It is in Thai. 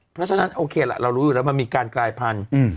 เพราะฉะนั้นโอเคล่ะเรารู้อยู่แล้วมันมีการกลายพันธุ์